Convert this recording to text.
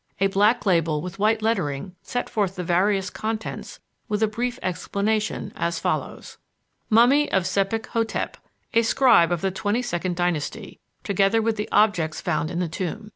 A black label with white lettering set forth the various contents with a brief explanation as follows: "Mummy of Sebek hotep, a scribe of the twenty second dynasty, together with the objects found in the tomb.